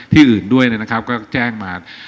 อื่นด้วยนะครับก็แจ้งมา